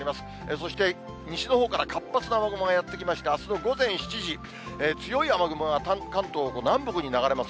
そして西のほうから活発な雨雲がやって来まして、あすの午前７時、強い雨雲が関東の南北に流れます。